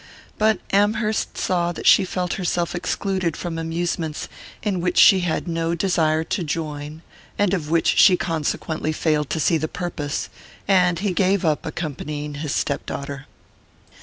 But Amherst saw that she felt herself excluded from amusements in which she had no desire to join, and of which she consequently failed to see the purpose; and he gave up accompanying his stepdaughter.